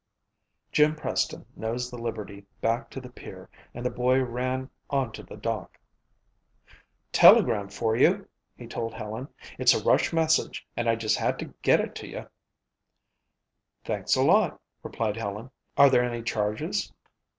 Jim Preston nosed the Liberty back to the pier and the boy ran onto the dock. "Telegram for you," he told Helen. "It's a rush message and I just had to get it to you." "Thanks a lot," replied Helen. "Are there any charges?"